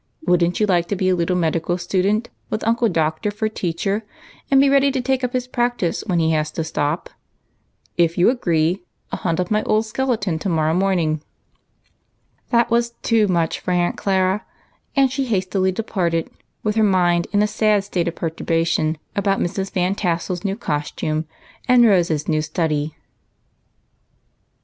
Would n't you like to be a little medical student with Uncle Doctor for teacher, and be ready to take up his practice when he has to stop ? If you agree, I '11 hunt up my old skeleton to morrow." That was too much for Aunt Clara, and she hastily departed with her mind in a sad state of perturbation about Mrs. Van Tassel's new costume, and Rose's now study.